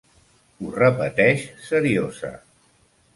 Ho repeteix seriosa.